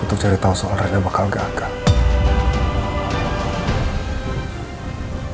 untuk cari tau soal reina bakal gagal